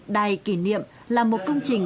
đài kỷ niệm là một công trình